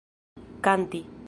kanti